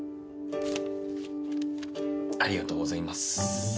ありがとうございます。